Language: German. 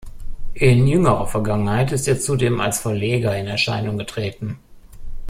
In jüngerer Vergangenheit ist er zudem als Verleger in Erscheinung getreten.